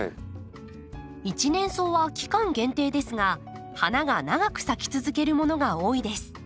一年草は期間限定ですが花が長く咲き続けるものが多いです。